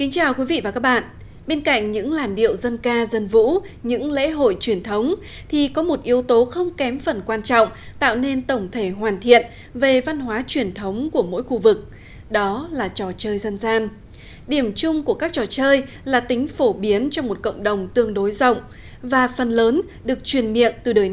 chào mừng quý vị đến với bộ phim hãy nhớ like share và đăng ký kênh của chúng mình nhé